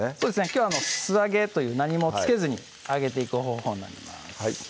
きょう素揚げという何もつけずに揚げていく方法になります